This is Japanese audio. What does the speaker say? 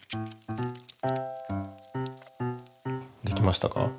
できましたか？